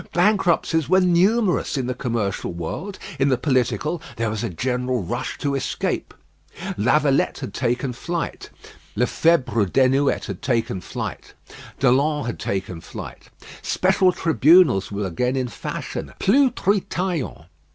Bankruptcies were numerous in the commercial world; in the political, there was a general rush to escape. Lavalette had taken flight, Lefebvre Desnouettes had taken flight, Delon had taken flight. Special tribunals were again in fashion plus Treetaillon.